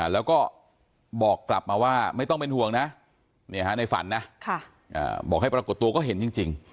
แล้วก็บอกกลับมาว่าไม่ต้องเป็นห่วงนะในฝันนะบอกให้ปรากฏตัวก็เห็นจริง